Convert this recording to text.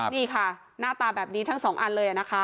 นี่ค่ะหน้าตาแบบนี้ทั้งสองอันเลยนะคะ